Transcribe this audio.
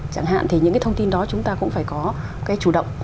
chẳng hạn thì những cái thông tin đó chúng ta cũng phải có cái chủ động